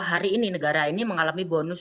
hari ini negara ini mengalami bonus